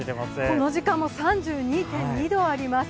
この時間も３２．２度あります。